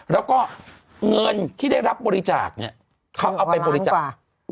แล้วก็เงินที่ได้รับบริจาคเนี่ยเขาเอาไปบริจาค